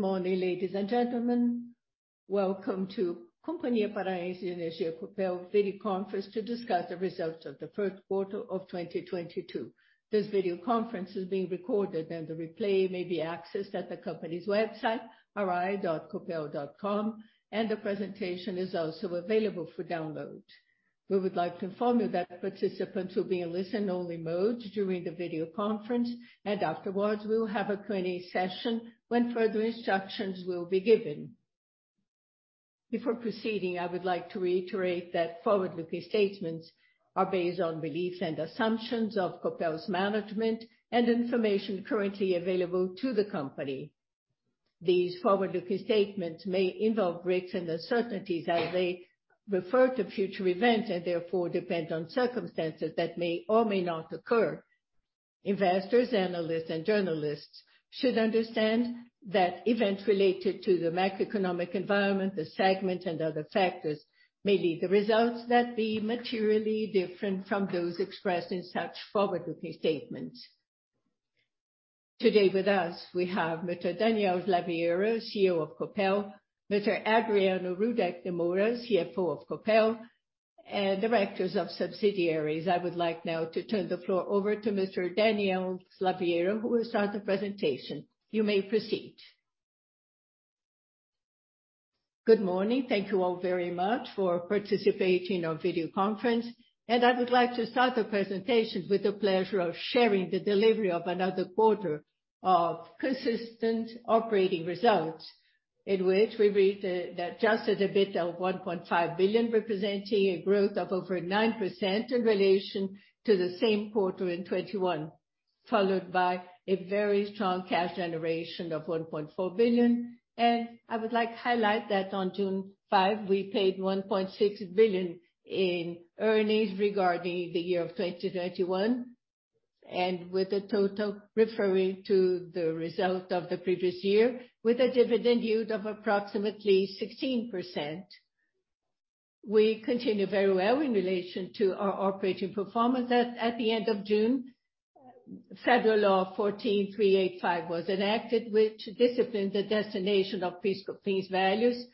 Good morning, ladies and gentlemen. Welcome to Companhia Paranaense de Energia, Copel video conference to discuss the results of the first quarter of 2022. This video conference is being recorded, and the replay may be accessed at the company's website, ri.copel.com, and the presentation is also available for download. We would like to inform you that participants will be in listen-only mode during the video conference, and afterwards we will have a Q&A session when further instructions will be given. Before proceeding, I would like to reiterate that forward-looking statements are based on beliefs and assumptions of Copel's management and information currently available to the company. These forward-looking statements may involve risks and uncertainties as they refer to future events, and therefore depend on circumstances that may or may not occur. Investors, analysts, and journalists should understand that events related to the macroeconomic environment, the segment, and other factors may lead to results that may be materially different from those expressed in such forward-looking statements. Today with us, we have Mr. Daniel Slaviero, CEO of Copel, Mr. Adriano Rudek de Moura, CFO of Copel, and directors of subsidiaries. I would like now to turn the floor over to Mr. Daniel Slaviero, who will start the presentation. You may proceed. Good morning. Thank you all very much for participating on video conference. I would like to start the presentation with the pleasure of sharing the delivery of another quarter of consistent operating results, in which we reached the adjusted EBITDA of 1.5 billion, representing a growth of over 9% in relation to the same quarter in 2021, followed by a very strong cash generation of 1.4 billion. I would like to highlight that on June 5, we paid 1.6 billion in earnings regarding the year of 2021. With the total referring to the result of the previous year, with a dividend yield of approximately 16%. We continue very well in relation to our operating performance. At the end of June, Federal Law 14385 was enacted, which disciplined the destination of PIS/COFINS values,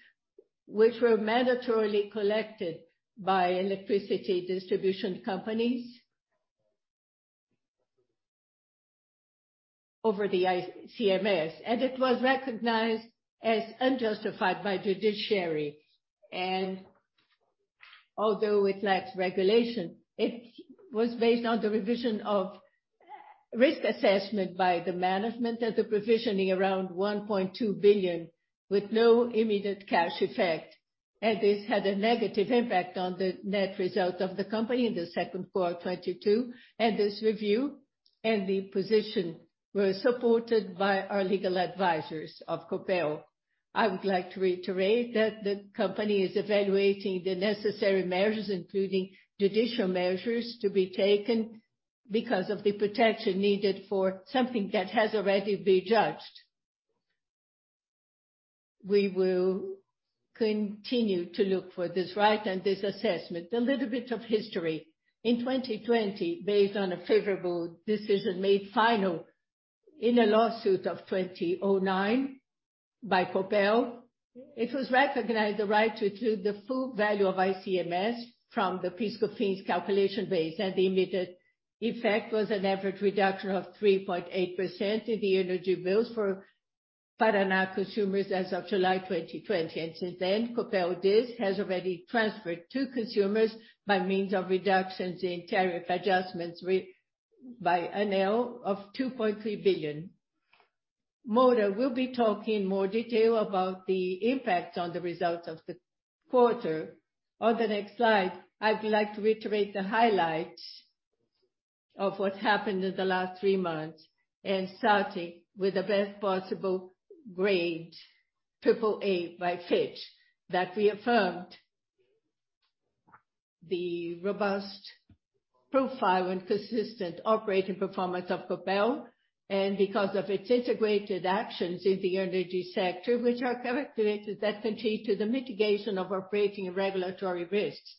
which were mandatorily collected by electricity distribution companies over the ICMS, and it was recognized as unjustified by judiciary. Although it lacks regulation, it was based on the revision of risk assessment by the management and the provisioning around 1.2 billion with no immediate cash effect. This had a negative impact on the net result of the company in the second quarter of 2022. This review and the position were supported by our legal advisors of Copel. I would like to reiterate that the company is evaluating the necessary measures, including judicial measures to be taken because of the protection needed for something that has already been judged. We will continue to look for this right and this assessment. A little bit of history. In 2020, based on a favorable decision made final in a lawsuit of 2009 by Copel, it was recognized the right to include the full value of ICMS from the PIS/COFINS calculation base. The immediate effect was an average reduction of 3.8% in the energy bills for Paraná consumers as of July 2020. Since then, Copel DIS has already transferred to consumers by means of reductions in tariff adjustments by ANEEL of 2.3 billion. Moura will be talking in more detail about the impact on the results of the quarter. On the next slide, I would like to reiterate the highlights of what happened in the last three months, starting with the best possible grade, AAA by Fitch that reaffirmed the robust profile and consistent operating performance of Copel, because of its integrated actions in the energy sector, which are characteristics that contribute to the mitigation of operating and regulatory risks.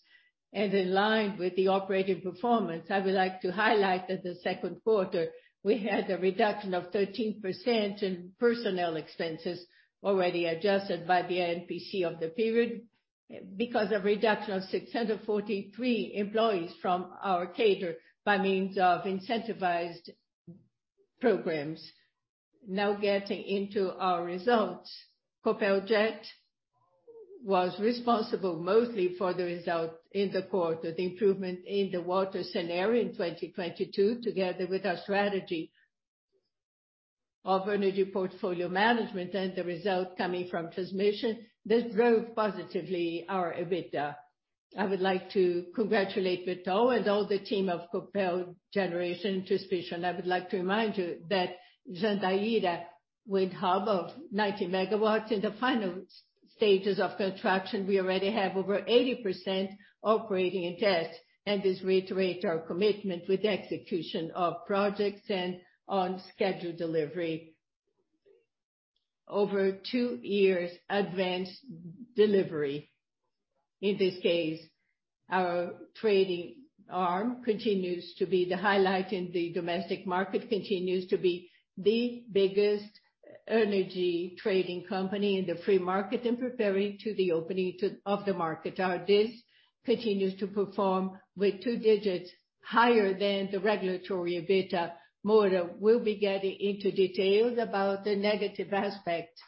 In line with the operating performance, I would like to highlight that in the second quarter we had a reduction of 13% in personnel expenses already adjusted by the INPC of the period because of reduction of 643 employees from our cadre by means of incentivized programs. Now getting into our results. Copel Geração was responsible mostly for the result in the quarter. The improvement in the water scenario in 2022, together with our strategy of energy portfolio management and the result coming from transmission, this drove positively our EBITDA. I would like to congratulate Vital and all the team of Copel Geração e Transmissão. I would like to remind you that Jandaíra Wind Hub of 90 MW in the final stages of construction, we already have over 80% operating and test. This reiterate our commitment with execution of projects and on schedule delivery, over two years advanced delivery. In this case, our trading arm continues to be the highlight in the domestic market, continues to be the biggest energy trading company in the free market. In preparing to the opening of the market, our DIS continues to perform with two digits higher than the regulatory EBITDA. Moura will be getting into details about the negative aspect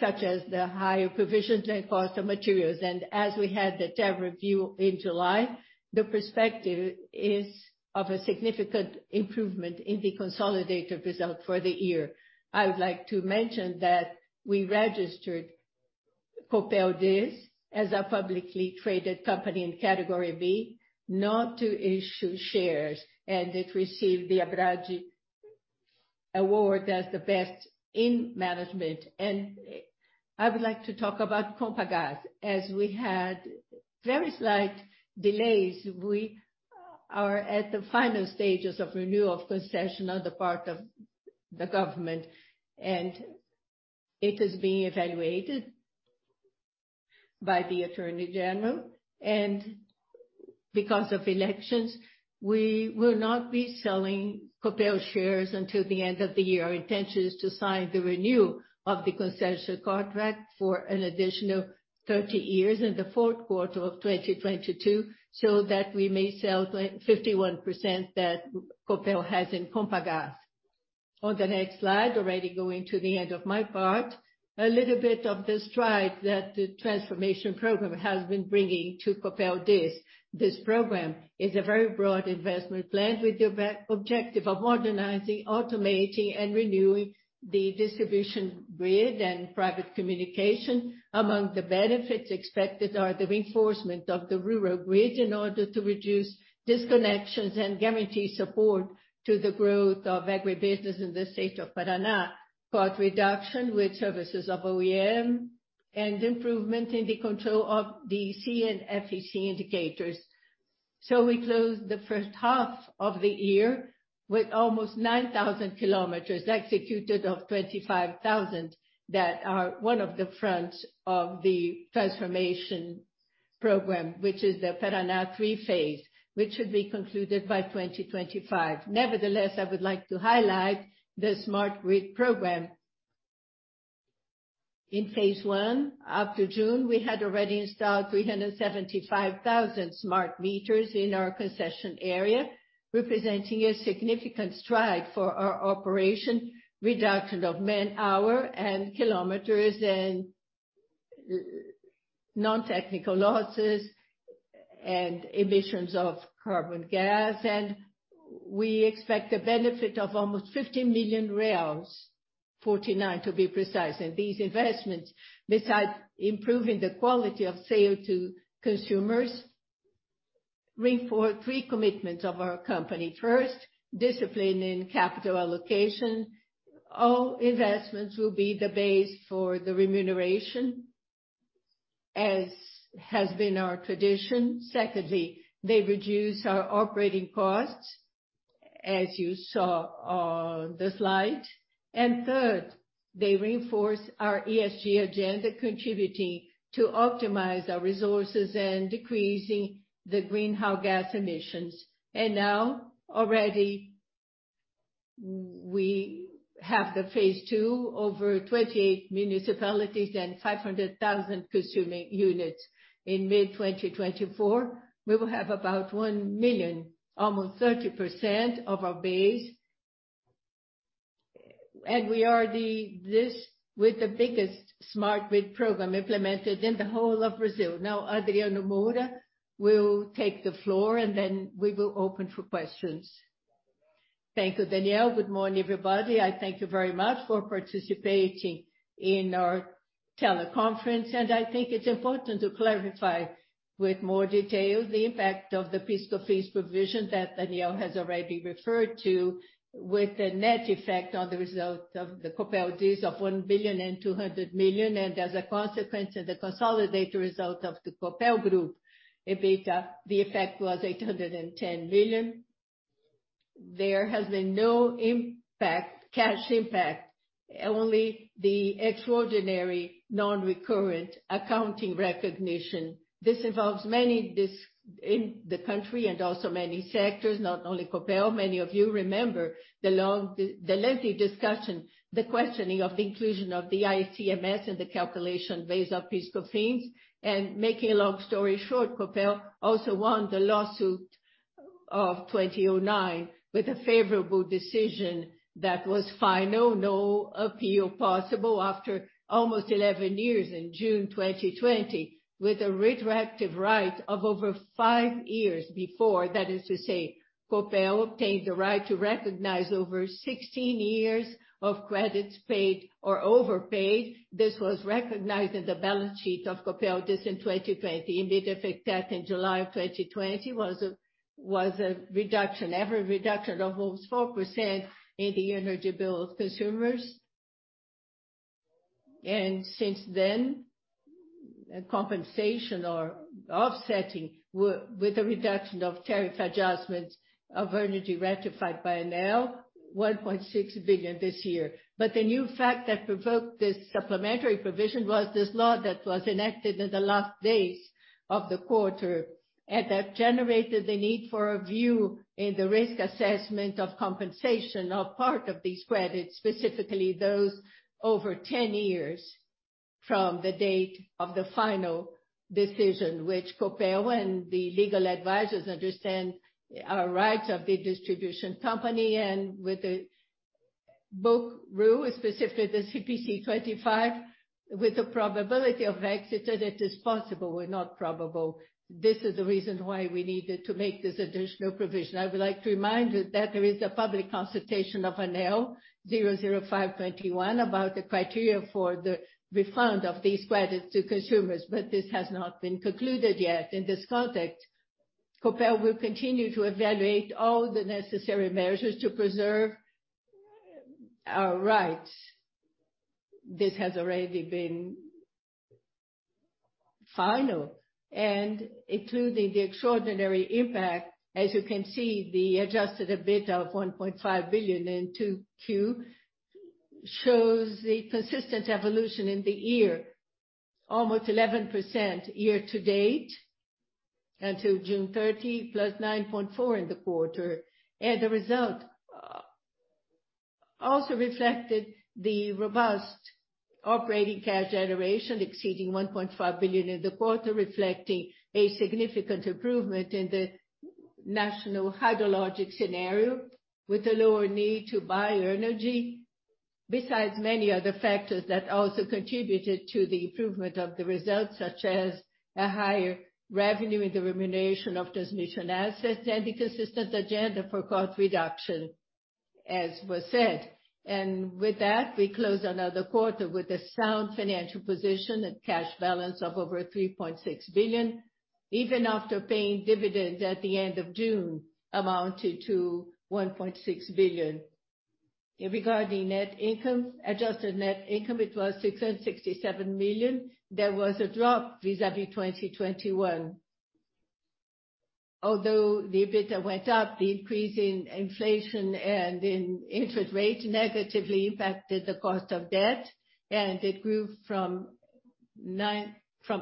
such as the higher provisions and cost of materials. As we had the tariff review in July, the perspective is of a significant improvement in the consolidated result for the year. I would like to mention that we registered Copel DIS as a publicly traded company in category B, not to issue shares, and it received the ABRADEE award as the best in management. I would like to talk about Compagás. As we had very slight delays, we are at the final stages of renewal of concession on the part of the government, and it is being evaluated by the attorney general. Because of elections, we will not be selling Copel shares until the end of the year. Our intention is to sign the renewal of the concession contract for an additional 30 years in the fourth quarter of 2022, so that we may sell the 51% that Copel has in Compagas. On the next slide, already going to the end of my part, a little bit of the stride that the transformation program has been bringing to Copel DIS. This program is a very broad investment plan with the objective of modernizing, automating, and renewing the distribution grid and private communication. Among the benefits expected are the reinforcement of the rural grid in order to reduce disconnections and guarantee support to the growth of agribusiness in the state of Paraná. Cost reduction with services of O&M and improvement in the control of the DEC and FEC indicators. We closed the first half of the year with almost 9,000 km executed of 25,000 km that are one of the fronts of the transformation program, which is the Paraná Trifásico, which should be concluded by 2025. Nevertheless, I would like to highlight the smart grid program. In phase 1, up to June, we had already installed 375,000 smart meters in our concession area, representing a significant stride for our operation, reduction of man-hour and kilometers and non-technical losses and emissions of carbon gas. We expect a benefit of almost 50 million reais, 49 million to be precise. These investments, besides improving the quality of service to consumers, reinforce three commitments of our company. First, discipline in capital allocation. All investments will be the base for the remuneration, as has been our tradition. Secondly, they reduce our operating costs, as you saw on the slide. Third, they reinforce our ESG agenda, contributing to optimize our resources and decreasing the greenhouse gas emissions. Now, already we have phase 2 over 28 municipalities and 500,000 consumer units. In mid 2024, we will have about 1 million, almost 30% of our base. We are this with the biggest smart grid program implemented in the whole of Brazil. Now Adriano Moura will take the floor and then we will open for questions. Thank you, Daniel. Good morning, everybody. I thank you very much for participating in our teleconference. I think it's important to clarify with more details the impact of the fiscal fees provision that Daniel Slaviero has already referred to, with a net effect on the result of the Copel Distribuição of 1.2 billion. As a consequence of the consolidated result of the Copel group EBITDA, the effect was 810 million. There has been no impact, cash impact, only the extraordinary non-recurrent accounting recognition. This involves many distributors in the country and also many sectors, not only Copel. Many of you remember the lengthy discussion, the questioning of the inclusion of the ICMS in the calculation based on fiscal fees. Making a long story short, Copel also won the lawsuit of 2009 with a favorable decision that was final, no appeal possible after almost 11 years in June 2020, with a retroactive right of over five years before. That is to say, Copel obtained the right to recognize over 16 years of credits paid or overpaid. This was recognized in the balance sheet of Copel DIS in 2020. Immediate effect in July 2020 was a reduction, average reduction of almost 4% in the energy bill of consumers. Since then, compensation or offsetting with the reduction of tariff adjustments of energy ratified by ANEEL, 1.6 billion this year. The new fact that provoked this supplementary provision was this law that was enacted in the last days of the quarter, and that generated the need for a review in the risk assessment of compensation of part of these credits, specifically those over 10 years from the date of the final decision, which Copel and the legal advisors understand our rights of the distribution company. With the book rule, specifically the CPC 25, with the probability of exit, that it is possible but not probable. This is the reason why we needed to make this additional provision. I would like to remind you that there is a public consultation of ANEEL 005/2021 about the criteria for the refund of these credits to consumers, but this has not been concluded yet. In this context, Copel will continue to evaluate all the necessary measures to preserve our rights. This has already been final. Including the extraordinary impact, as you can see, the adjusted EBITDA of 1.5 billion in 2Q shows the consistent evolution in the year, almost 11% year-to-date until June 30, +9.4% in the quarter. The result also reflected the robust operating cash generation exceeding 1.5 billion in the quarter, reflecting a significant improvement in the national hydrologic scenario with a lower need to buy energy. Besides many other factors that also contributed to the improvement of the results, such as a higher revenue in the remuneration of transmission assets and the consistent agenda for cost reduction, as was said. With that, we close another quarter with a sound financial position and cash balance of over 3.6 billion, even after paying dividends at the end of June amounted to 1.6 billion. Regarding net income, adjusted net income, it was 667 million. There was a drop vis-à-vis 2021. Although the EBITDA went up, the increase in inflation and in interest rates negatively impacted the cost of debt. It grew from 8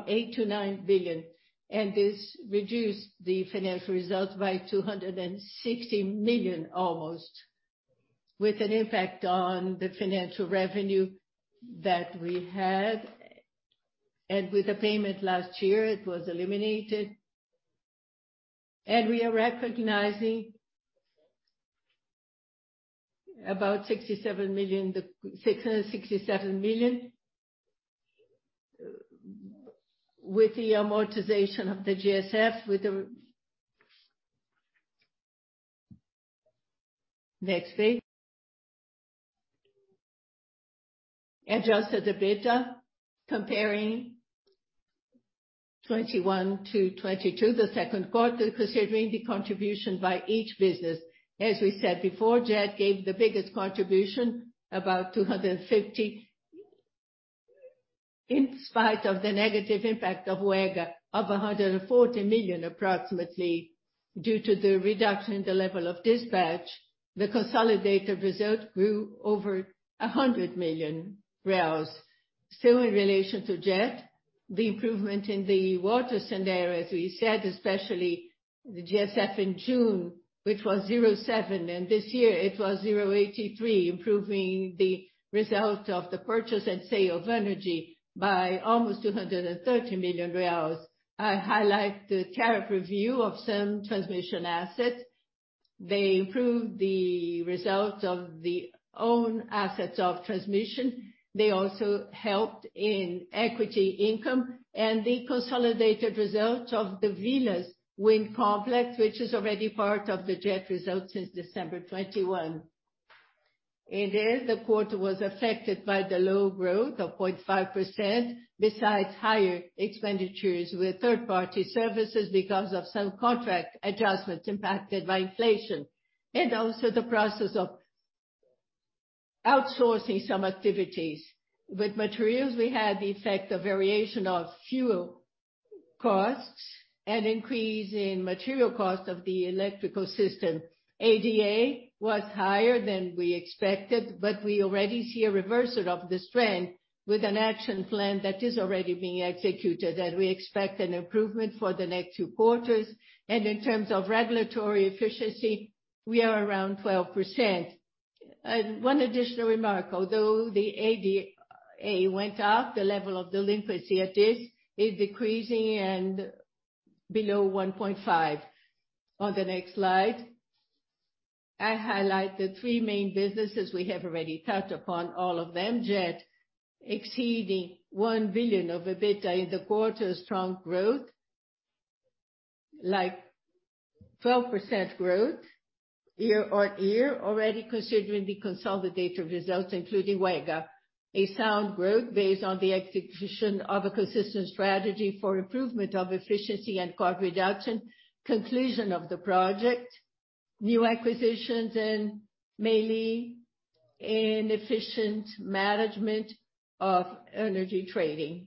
billion-9 billion. This reduced the financial results by almost 260 million, with an impact on the financial revenue that we had. With the payment last year, it was eliminated. We are recognizing about BRL 67 million, the BRL 667 million with the amortization of the GSF. Adjusted EBITDA comparing 2021-2022, the second quarter, considering the contribution by each business. As we said before, GeT gave the biggest contribution, about 250 million. In spite of the negative impact of UEGA of approximately 140 million due to the reduction in the level of dispatch, the consolidated result grew over 100 million. Still in relation to GeT, the improvement in the water scenario, as we said, especially the GSF in June, which was 0.7, and this year it was 0.83, improving the result of the purchase and sale of energy by almost BRL 230 million. I highlight the tariff review of some transmission assets. They improved the results of our own assets of transmission. They also helped in equity income and the consolidated results of the Vilas Wind Complex, which is already part of the GeT result since December 2021. Then the quarter was affected by the low growth of 0.5%, besides higher expenditures with third-party services because of some contract adjustments impacted by inflation, and also the process of outsourcing some activities. With materials, we had the effect of variation of fuel costs and increase in material cost of the electrical system. ADA was higher than we expected, but we already see a reversal of this trend with an action plan that is already being executed, and we expect an improvement for the next two quarters. In terms of regulatory efficiency, we are around 12%. One additional remark, although the ADA went up, the level of delinquency at this is decreasing and below 1.5. On the next slide, I highlight the three main businesses. We have already touched upon all of them. GeT exceeding 1 billion of EBITDA in the quarter, strong growth, like 12% growth year-on-year, already considering the consolidated results, including UEGA. A sound growth based on the execution of a consistent strategy for improvement of efficiency and cost reduction, conclusion of the project new acquisitions in Mauá and efficient management of energy trading.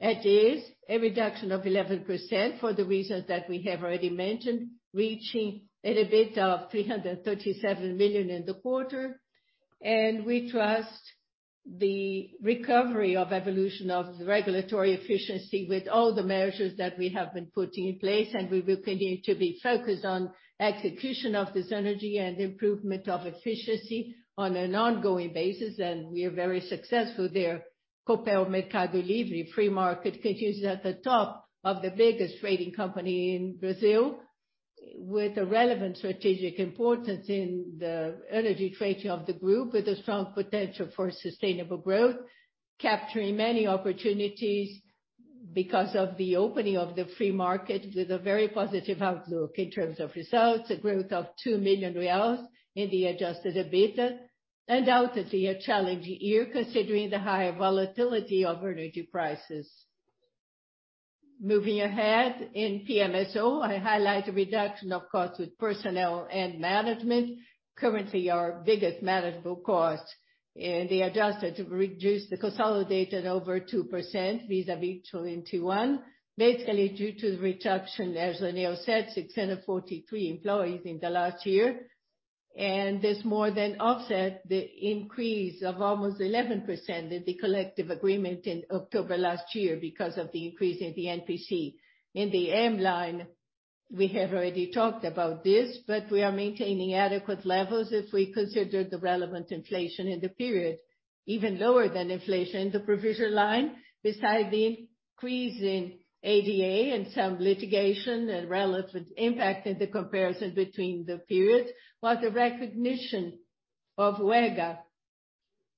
Dist., a reduction of 11% for the reasons that we have already mentioned, reaching EBITDA of 337 million in the quarter. We trust the recovery of evolution of the regulatory efficiency with all the measures that we have been putting in place, and we will continue to be focused on execution of this agenda and improvement of efficiency on an ongoing basis. We are very successful there. Copel Mercado Livre free market continues at the top of the biggest trading company in Brazil, with a relevant strategic importance in the energy trading of the group, with a strong potential for sustainable growth, capturing many opportunities because of the opening of the free market with a very positive outlook in terms of results. A growth of 2 million reais in the adjusted EBITDA, and undoubtedly a challenging year considering the higher volatility of energy prices. Moving ahead, in PMSO, I highlight a reduction of costs with personnel and management. Currently our biggest manageable cost in the adjusted reduced, the consolidated over 2% vis-à-vis 2021. Basically due to the reduction, as Alipio said, 643 employees in the last year. This more than offset the increase of almost 11% in the collective agreement in October last year because of the increase in the INPC. In the M line, we have already talked about this, but we are maintaining adequate levels if we consider the relevant inflation in the period, even lower than inflation. The provision line, besides the increase in PDD and some litigation and relevant impact in the comparison between the periods, was the recognition of UEGA,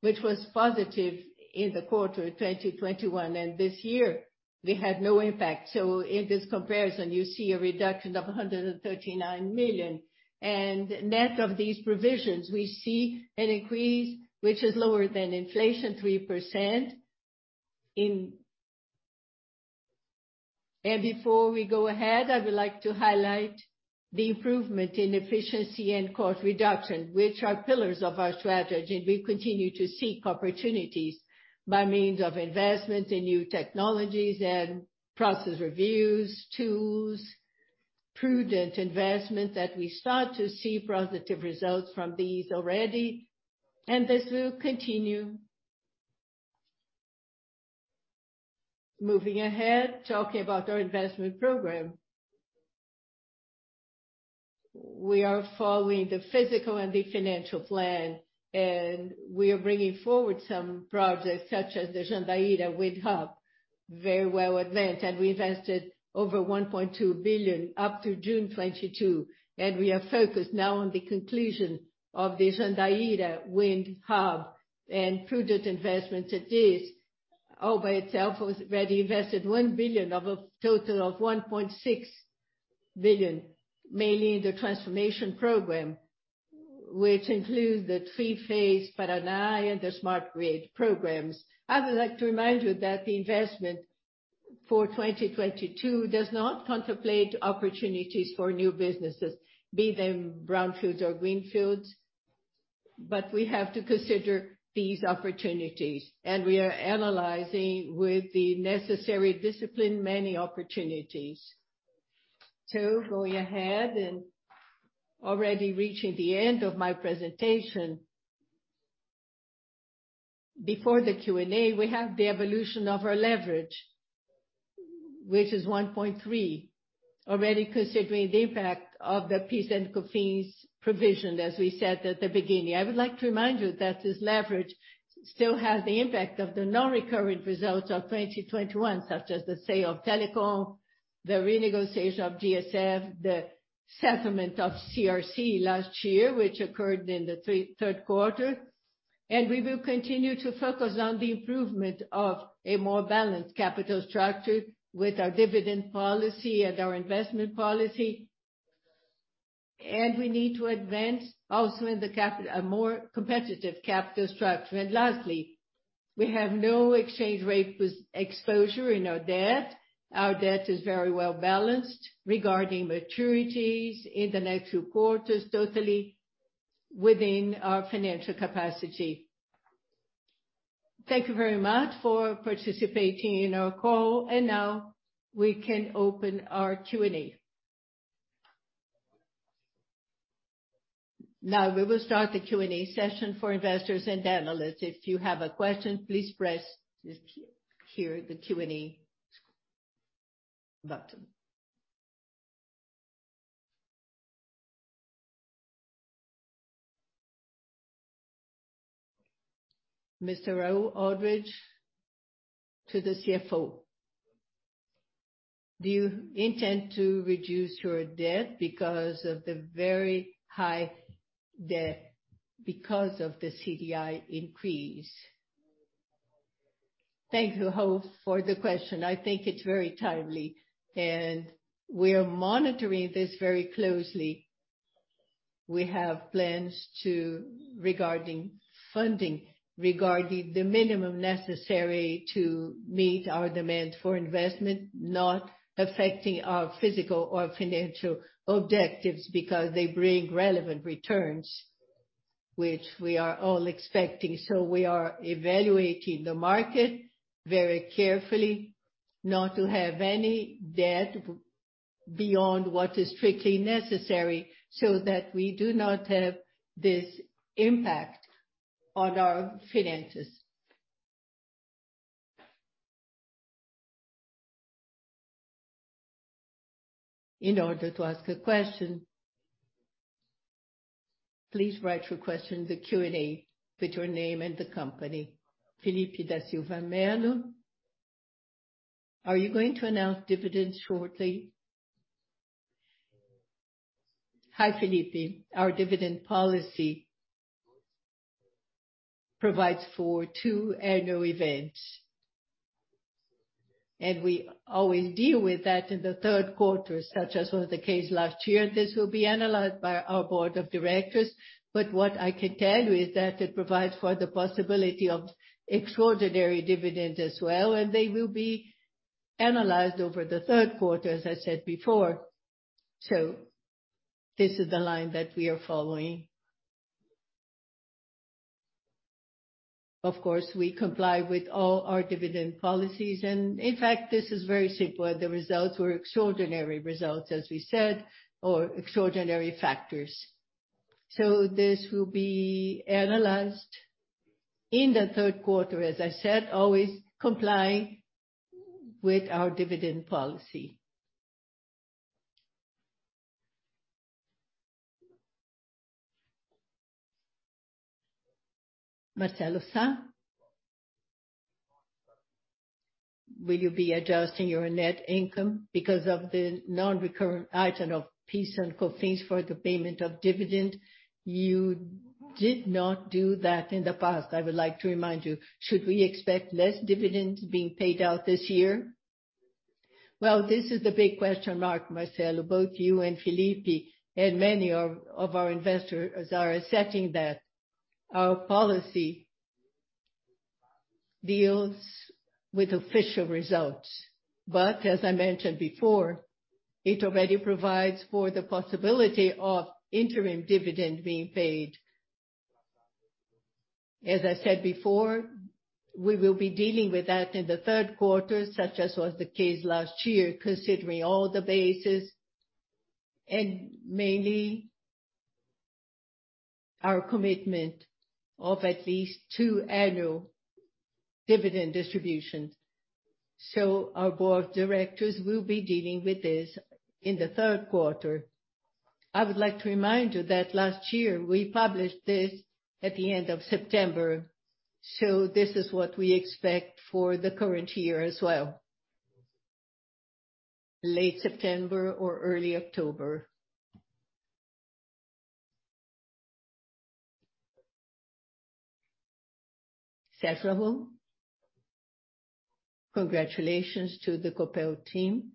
which was positive in the quarter 2021, and this year we had no impact. In this comparison, you see a reduction of 139 million. Net of these provisions, we see an increase which is lower than inflation 3% in. Before we go ahead, I would like to highlight the improvement in efficiency and cost reduction, which are pillars of our strategy. We continue to seek opportunities by means of investment in new technologies and process reviews, tools, prudent investment that we start to see positive results from these already, and this will continue. Moving ahead, talking about our investment program. We are following the physical and the financial plan, and we are bringing forward some projects such as the Jandaíra Wind Hub, very well advanced. We invested over 1.2 billion up to June 2022. We are focused now on the conclusion of the Jandaíra Wind Hub and prudent investments at this. All by itself, was already invested 1 billion of a total of 1.6 billion, mainly in the transformation program, which includes the Paraná Trifásico and the smart grid programs. I would like to remind you that the investment for 2022 does not contemplate opportunities for new businesses, be them brownfields or greenfields, but we have to consider these opportunities, and we are analyzing with the necessary discipline, many opportunities. Going ahead and already reaching the end of my presentation. Before the Q&A, we have the evolution of our leverage, which is 1.3. Already considering the impact of the PIS/COFINS provision, as we said at the beginning. I would like to remind you that this leverage still has the impact of the non-recurring results of 2021, such as the sale of Telecom, the renegotiation of GSF, the settlement of CRC last year, which occurred in the third quarter. We will continue to focus on the improvement of a more balanced capital structure with our dividend policy and our investment policy. We need to advance also in the capital, a more competitive capital structure. Lastly, we have no exchange rate exposure in our debt. Our debt is very well balanced regarding maturities in the next two quarters, totally within our financial capacity. Thank you very much for participating in our call. Now we can open our Q&A. Now we will start the Q&A session for investors and analysts. If you have a question, please press here, the Q&A button. Mr. Raul Aldridge to the CFO. Do you intend to reduce your debt because of the very high debt, because of the CDI increase? Thank you, Raul, for the question. I think it's very timely, and we are monitoring this very closely. We have plans to regarding funding, regarding the minimum necessary to meet our demand for investment, not affecting our physical or financial objectives because they bring relevant returns. Which we are all expecting. We are evaluating the market very carefully, not to have any debt beyond what is strictly necessary, so that we do not have this impact on our finances. In order to ask a question, please write your question in the Q&A with your name and the company. Felipe Da Silva Mano. Are you going to announce dividends shortly? Hi, Felipe. Our dividend policy provides for two annual events. We always deal with that in the third quarter, such as was the case last year. This will be analyzed by our board of directors. What I can tell you is that it provides for the possibility of extraordinary dividend as well, and they will be analyzed over the third quarter, as I said before. This is the line that we are following. Of course, we comply with all our dividend policies, and in fact, this is very simple. The results were extraordinary results as we said, or extraordinary factors. This will be analyzed in the third quarter, as I said, always complying with our dividend policy. Marcelo Sá. Will you be adjusting your net income because of the non-recurrent item of PIS/COFINS for the payment of dividend? You did not do that in the past, I would like to remind you. Should we expect less dividends being paid out this year? Well, this is the big question mark, Marcelo. Both you and Felipe and many of our investors are assessing that. Our policy deals with official results. As I mentioned before, it already provides for the possibility of interim dividend being paid. As I said before, we will be dealing with that in the third quarter, such as was the case last year, considering all the bases, and mainly our commitment of at least two annual dividend distributions. Our board of directors will be dealing with this in the third quarter. I would like to remind you that last year we published this at the end of September. This is what we expect for the current year as well. Late September or early October. Cesar Ramon. Congratulations to the Copel team.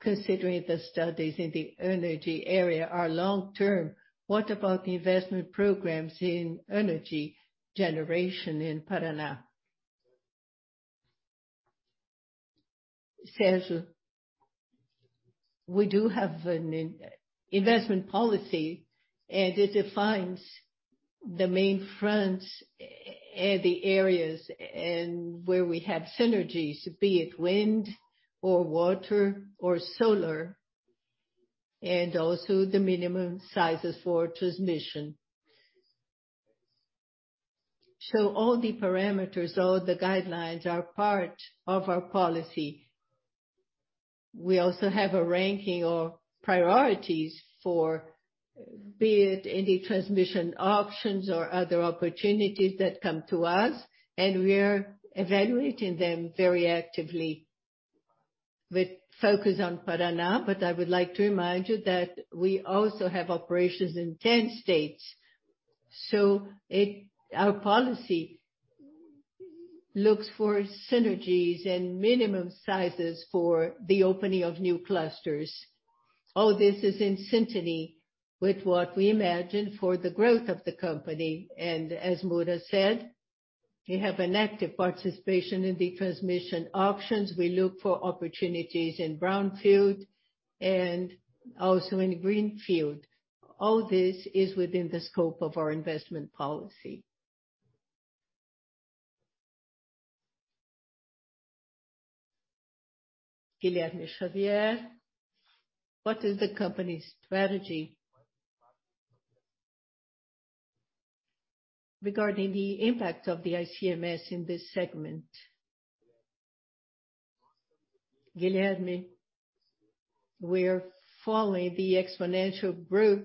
Considering the studies in the energy area are long-term, what about the investment programs in energy generation in Paraná? Cesar, we do have an investment policy, and it defines the main fronts and the areas and where we have synergies, be it wind or water or solar, and also the minimum sizes for transmission. All the parameters, all the guidelines are part of our policy. We also have a ranking or priorities for, be it any transmission options or other opportunities that come to us, and we are evaluating them very actively with focus on Paraná. I would like to remind you that we also have operations in 10 states. Our policy looks for synergies and minimum sizes for the opening of new clusters. All this is in synergy with what we imagine for the growth of the company. As Moura said, we have an active participation in the transmission options. We look for opportunities in Brownfield and also in Greenfield. All this is within the scope of our investment policy. Guilherme Xavier. What is the company's strategy regarding the impact of the ICMS in this segment? Guilherme, we're following the exponential growth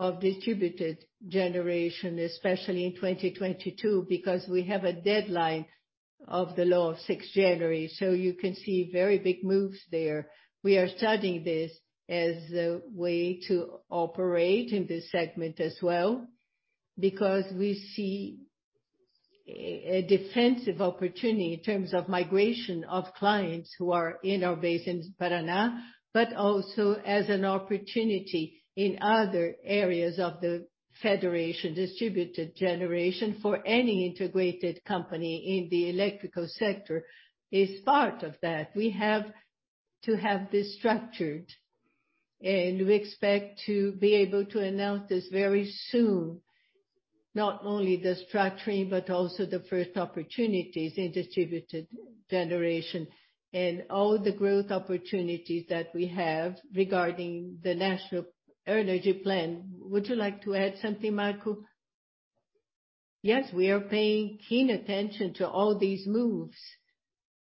of distributed generation, especially in 2022, because we have a deadline of the law, January 6. You can see very big moves there. We are studying this as a way to operate in this segment as well, because we see a defensive opportunity in terms of migration of clients who are in our base in Paraná, but also as an opportunity in other areas of the federation. Distributed generation for any integrated company in the electrical sector is part of that. We have to have this structured. We expect to be able to announce this very soon. Not only the structuring, but also the first opportunities in distributed generation and all the growth opportunities that we have regarding the National Energy Plan. Would you like to add something, Michael? Yes, we are paying keen attention to all these moves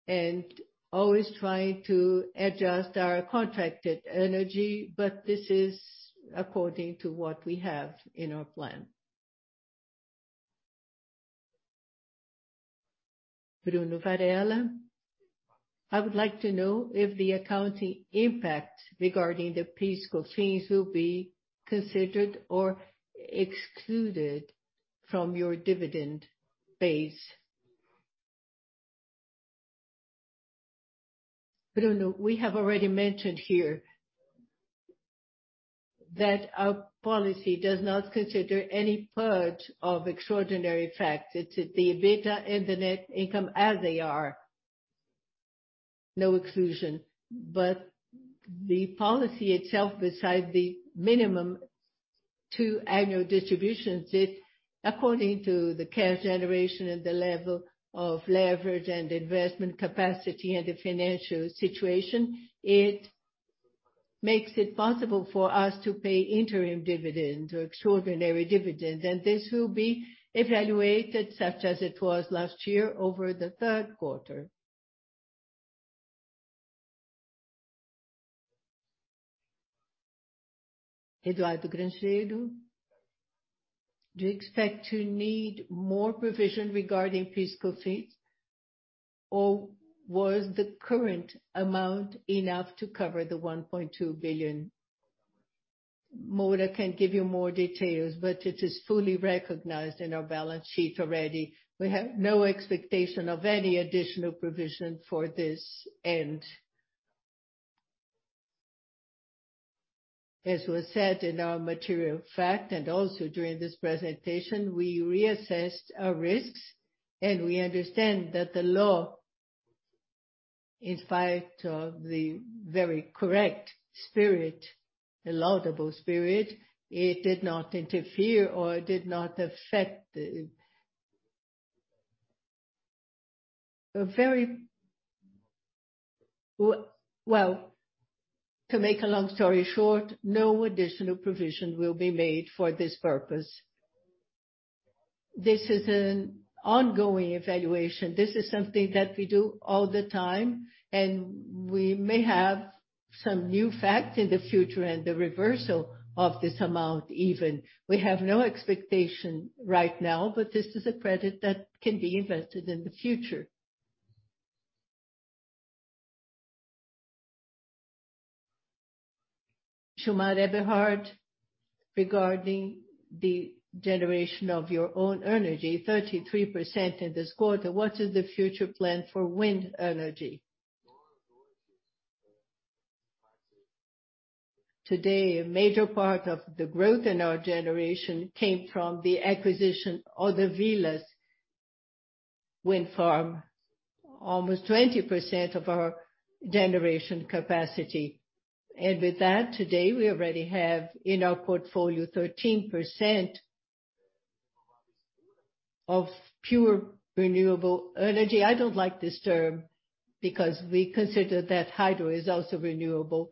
and always trying to adjust our contracted energy, but this is according to what we have in our plan. Bruno Varella. I would like to know if the accounting impact regarding the fiscal fees will be considered or excluded from your dividend base. Bruno, we have already mentioned here that our policy does not consider any purge of extraordinary factors. It's the EBITDA and the net income as they are, no exclusion. The policy itself, besides the minimum two annual distributions, according to the cash generation and the level of leverage and investment capacity and the financial situation, it makes it possible for us to pay interim dividend or extraordinary dividend. This will be evaluated such as it was last year over the third quarter. Eduardo Grangeiro. Do you expect to need more provision regarding fiscal fees or was the current amount enough to cover the 1.2 billion? Moura can give you more details, but it is fully recognized in our balance sheet already. We have no expectation of any additional provision for this end. As was said in our material fact, and also during this presentation, we reassessed our risks, and we understand that the law, in spite of the very correct spirit, the laudable spirit, it did not interfere or it did not affect the. To make a long story short, no additional provision will be made for this purpose. This is an ongoing evaluation. This is something that we do all the time, and we may have some new facts in the future and the reversal of this amount even. We have no expectation right now, but this is a credit that can be invested in the future. Gilmar Eberhardt. Regarding the generation of your own energy, 33% in this quarter, what is the future plan for wind energy? Today, a major part of the growth in our generation came from the acquisition of the Vilas Wind Farm, almost 20% of our generation capacity. With that, today we already have in our portfolio 13% of pure renewable energy. I don't like this term because we consider that hydro is also renewable.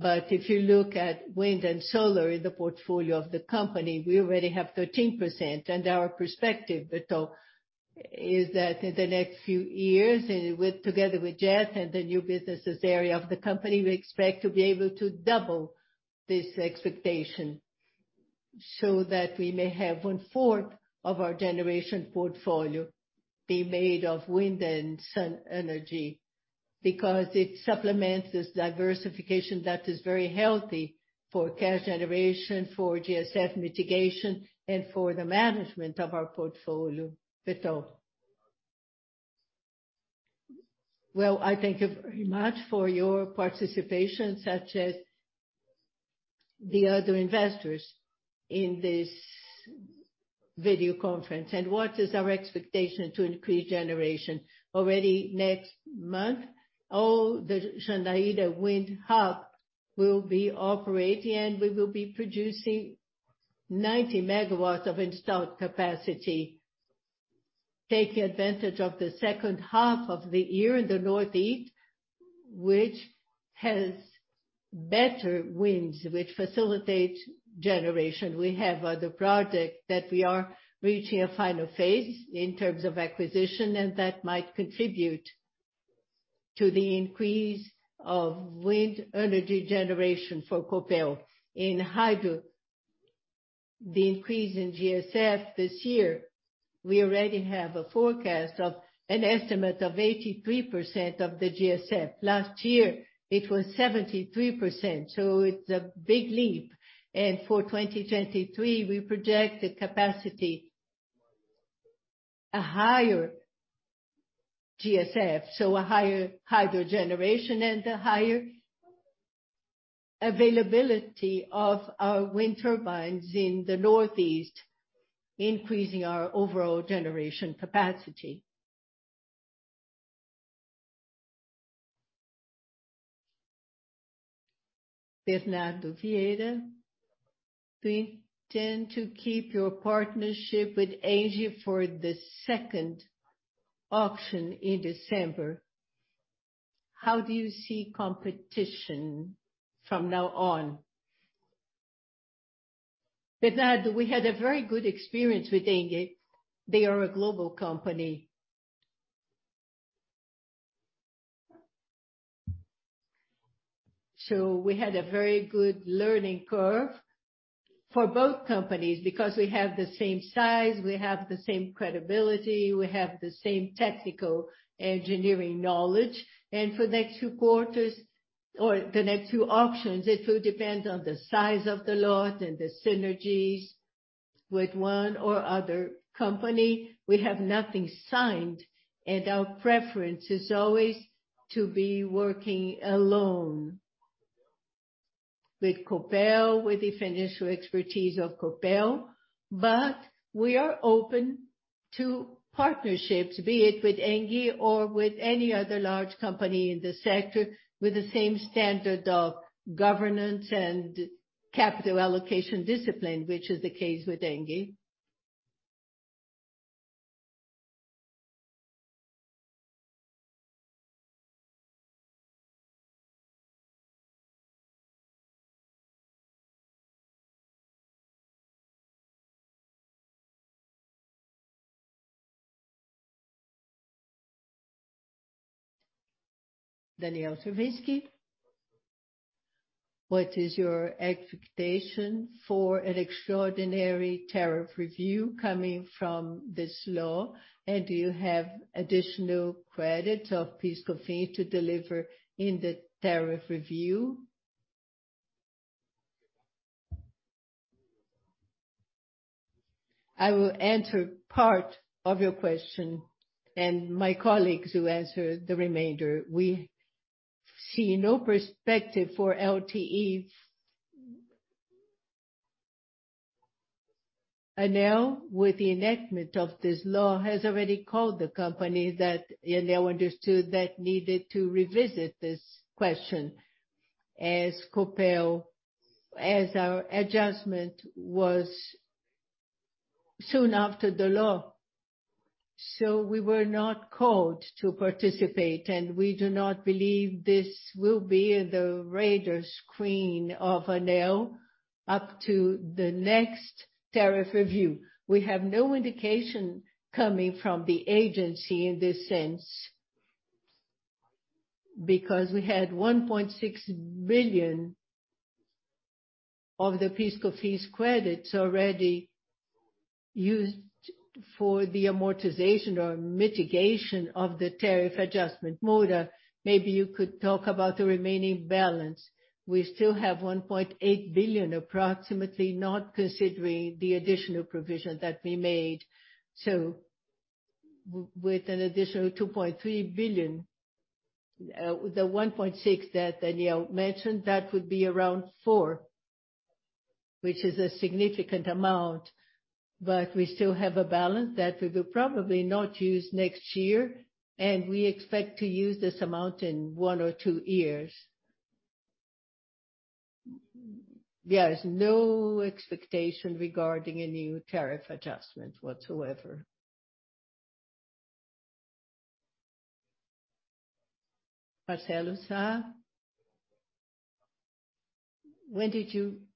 If you look at wind and solar in the portfolio of the company, we already have 13%. Our perspective, Vitor, is that in the next few years, together with Copel GeT and the new businesses area of the company, we expect to be able to double this expectation so that we may have of our generation portfolio be made of wind and solar energy, because it supplements this diversification that is very healthy for cash generation, for GSF mitigation, and for the management of our portfolio. Vitor. Well, I thank you very much for your participation, such as the other investors in this video conference. What is our expectation to increase generation? Already next month, all the Jandaíra Wind Hub will be operating, and we will be producing 90 MW of installed capacity, taking advantage of the second half of the year in the Northeast, which has better winds, which facilitate generation. We have other project that we are reaching a final phase in terms of acquisition, and that might contribute to the increase of wind energy generation for Copel. In hydro, the increase in GSF this year, we already have a forecast of an estimate of 83% of the GSF. Last year, it was 73%, so it's a big leap. For 2023, we project a capacity, a higher GSF, so a higher hydro generation and a higher availability of our wind turbines in the Northeast, increasing our overall generation capacity. Bernardo Vieira. Do you intend to keep your partnership with Engie for the second auction in December? How do you see competition from now on? Bernardo, we had a very good experience with Engie. They are a global company. We had a very good learning curve for both companies, because we have the same size, we have the same credibility, we have the same technical engineering knowledge. For next two quarters or the next two auctions, it will depend on the size of the lot and the synergies with one or other company. We have nothing signed, and our preference is always to be working alone with Copel, with the financial expertise of Copel. We are open to partnerships, be it with Engie or with any other large company in the sector, with the same standard of governance and capital allocation discipline, which is the case with Engie. Daniel Travitzky. What is your expectation for an extraordinary tariff review coming from this law? Do you have additional credits of PIS/COFINS to deliver in the tariff review? I will answer part of your question and my colleagues will answer the remainder. We see no perspective for LTE. ANEEL, with the enactment of this law, has already called the company that ANEEL understood that needed to revisit this question. As our adjustment was soon after the law, so we were not called to participate, and we do not believe this will be the radar screen of ANEEL up to the next tariff review. We have no indication coming from the agency in this sense, because we had 1.6 billion of the PIS/COFINS credits already used for the amortization or mitigation of the tariff adjustment. Adriano Rudek de Moura, maybe you could talk about the remaining balance. We still have 1.8 billion approximately, not considering the additional provision that we made. With an additional 2.3 billion, the 1.6 billion that Daniel mentioned, that would be around 4 billion, which is a significant amount. We still have a balance that we will probably not use next year, and we expect to use this amount in one or two years. There is no expectation regarding a new tariff adjustment whatsoever. Marcelo Sá.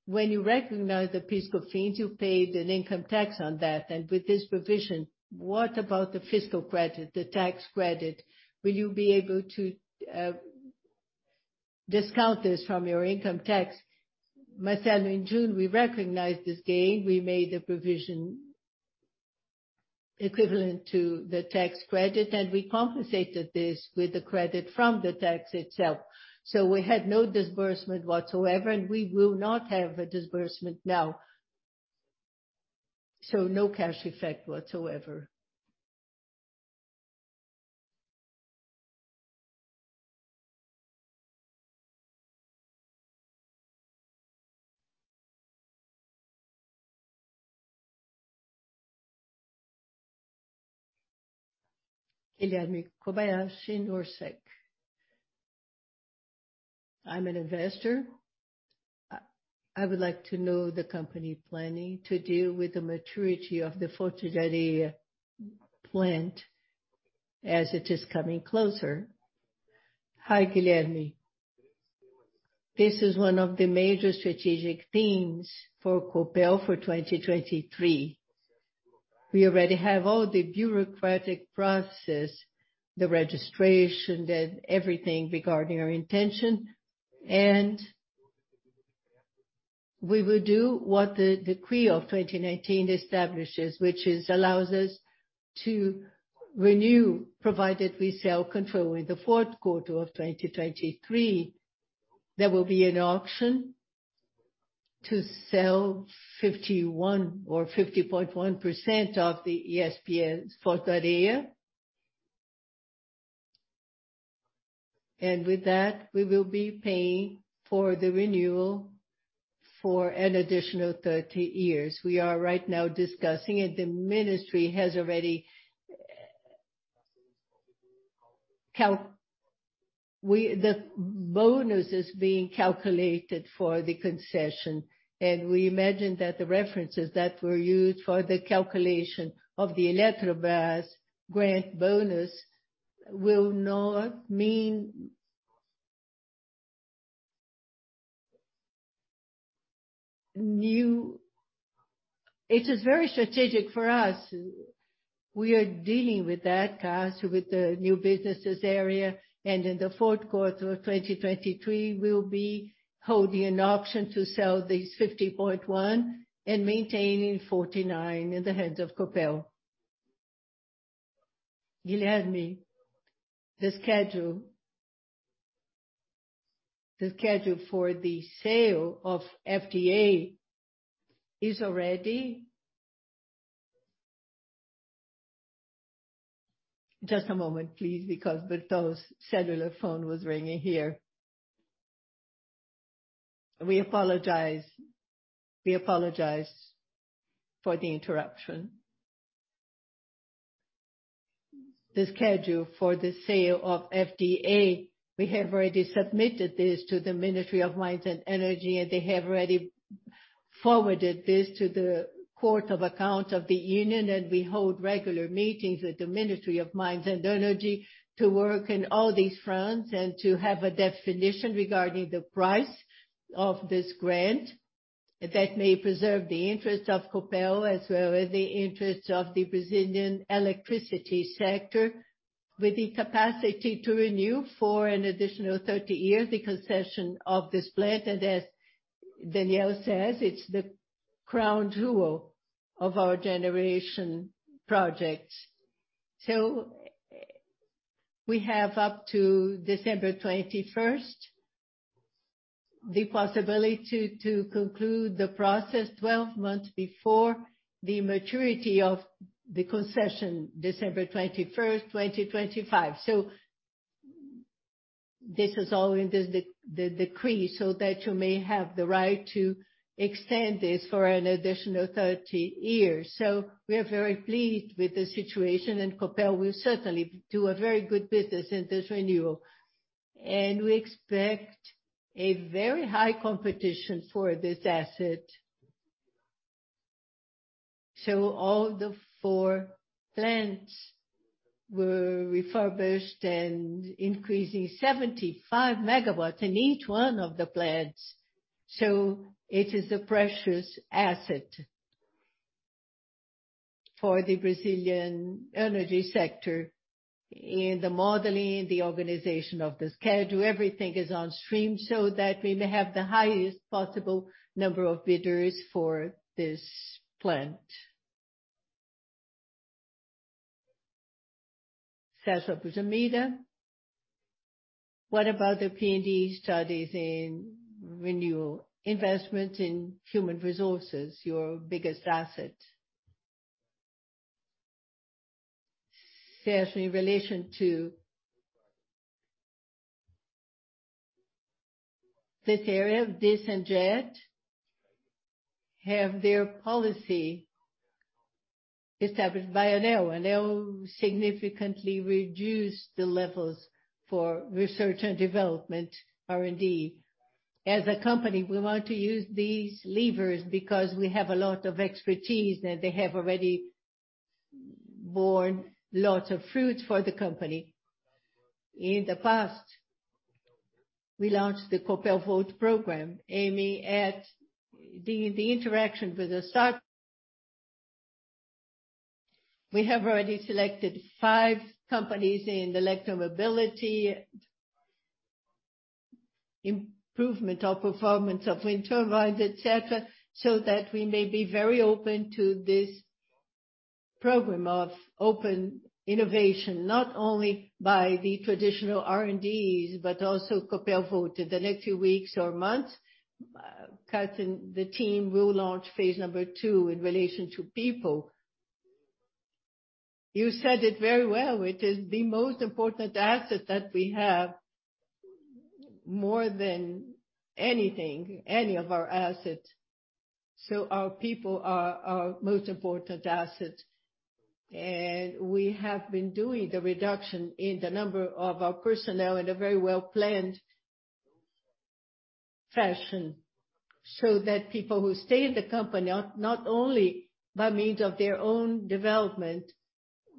When you recognized the PIS/COFINS, you paid an income tax on that. With this provision, what about the fiscal credit, the tax credit? Will you be able to discount this from your income tax? Marcelo, in June, we recognized this gain. We made a provision equivalent to the tax credit, and we compensated this with the credit from the tax itself. We had no disbursement whatsoever, and we will not have a disbursement now. No cash effect whatsoever. Guilherme Kobayashi, Norsec. I'm an investor. I would like to know the company planning to deal with the maturity of the Fortaleza plant as it is coming closer. Hi, Guilherme. This is one of the major strategic themes for Copel for 2023. We already have all the bureaucratic process, the registration and everything regarding our intention. We will do what the decree of 2019 establishes, which allows us to renew, provided we sell control. In the fourth quarter of 2023, there will be an auction to sell 51% or 50.1% of the ESPS Fortaleza. With that, we will be paying for the renewal for an additional 30 years. We are right now discussing, and the ministry has already calculated the bonus for the concession. We imagine that the references that were used for the calculation of the Eletrobras grant bonus will not mean new. It is very strategic for us. We are dealing with that, Carlos, with the new businesses area. In the fourth quarter of 2023, we'll be holding an option to sell these 50.1 and maintaining 49 in the hands of Copel. Guilherme, the schedule for the sale of FDA is already. Just a moment, please, because Alberto Goldman's cellular phone was ringing here. We apologize for the interruption. The schedule for the sale of UHE Foz do Areia, we have already submitted this to the Ministry of Mines and Energy, and they have already forwarded this to the Court of Accounts of the Union. We hold regular meetings with the Ministry of Mines and Energy to work in all these fronts and to have a definition regarding the price of this grant that may preserve the interest of Copel, as well as the interests of the Brazilian electricity sector, with the capacity to renew for an additional 30 years the concession of this plant. As Daniel says, it's the crown jewel of our generation projects. We have up to December 21st, the possibility to conclude the process 12 months before the maturity of the concession, December 21st, 2025. This is all in this decree, so that you may have the right to extend this for an additional 30 years. We are very pleased with the situation, and Copel will certainly do a very good business in this renewal. We expect a very high competition for this asset. All four plants were refurbished and increasing 75 MW in each one of the plants. It is a precious asset for the Brazilian energy sector. In the modeling, the organization of the schedule, everything is on stream so that we may have the highest possible number of bidders for this plant. César. What about the P&D studies in renewal investment in human resources, your biggest asset? César, in relation to this area, Copel GeT have their policy established by ANEEL. ANEEL significantly reduced the levels for research and development, R&D. As a company, we want to use these levers because we have a lot of expertise, and they have already borne lots of fruits for the company. In the past, we launched the Copel Volt program, aiming at the interaction with the startups. We have already selected five companies in electromobility, improvement of performance of wind turbines, et cetera, so that we may be very open to this program of open innovation, not only by the traditional R&Ds, but also Copel Volt. In the next few weeks or months, Carlos and the team will launch phase number two in relation to people. You said it very well, it is the most important asset that we have, more than anything, any of our assets. Our people are our most important asset. We have been doing the reduction in the number of our personnel in a very well-planned fashion, so that people who stay in the company, not only by means of their own development,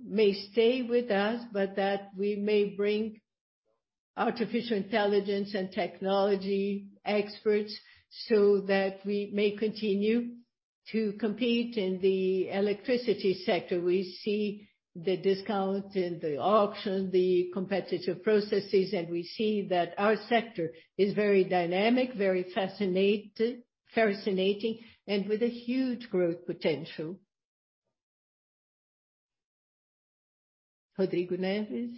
may stay with us, but that we may bring artificial intelligence and technology experts, so that we may continue to compete in the electricity sector. We see the discount in the auction, the competitive processes, and we see that our sector is very dynamic, very fascinating, and with a huge growth potential. Rodrigo Neves.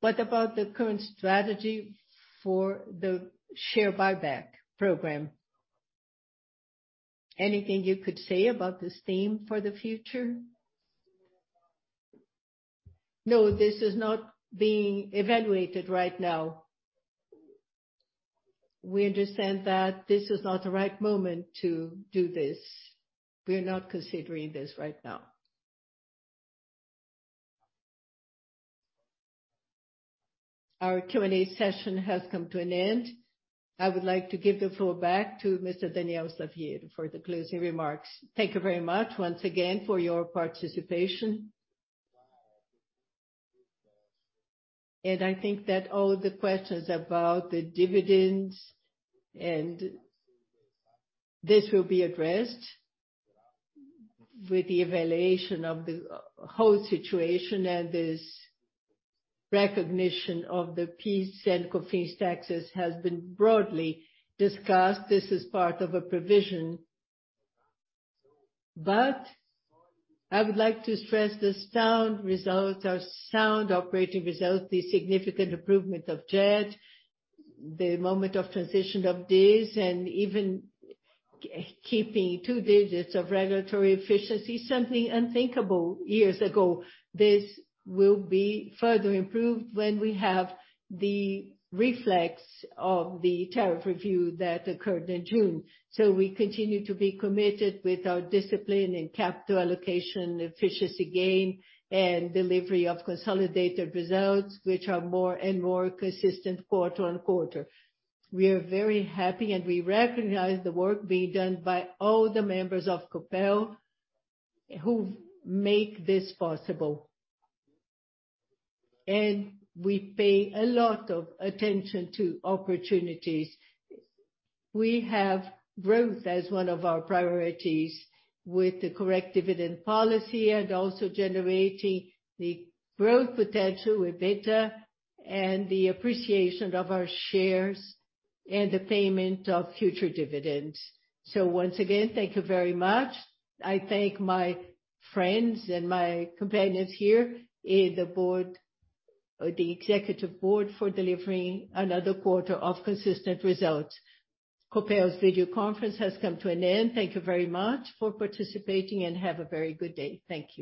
What about the current strategy for the share buyback program? Anything you could say about this theme for the future? No, this is not being evaluated right now. We understand that this is not the right moment to do this. We are not considering this right now. Our Q&A session has come to an end. I would like to give the floor back to Mr. Daniel Slaviero for the closing remarks. Thank you very much once again for your participation. I think that all of the questions about the dividends and this will be addressed with the evaluation of the whole situation and this recognition of the PIS/COFINS taxes has been broadly discussed. This is part of a provision. I would like to stress the sound results, our sound operating results, the significant improvement of GeT, the moment of transition of this, and even keeping two digits of regulatory efficiency, something unthinkable years ago. This will be further improved when we have the reflection of the tariff review that occurred in June. We continue to be committed to our discipline and capital allocation efficiency gain and delivery of consolidated results, which are more and more consistent quarter-over-quarter. We are very happy, and we recognize the work being done by all the members of Copel who make this possible. We pay a lot of attention to opportunities. We have growth as one of our priorities with the correct dividend policy and also generating the growth potential EBITDA and the appreciation of our shares and the payment of future dividends. Once again, thank you very much. I thank my friends and my companions here in the board, the executive board for delivering another quarter of consistent results. Copel's video conference has come to an end. Thank you very much for participating, and have a very good day. Thank you.